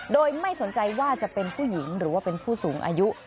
โดยไม่สนใจว่าจะเป็นผู้หญิงหรือว่าเป็นผู้สูงอายุ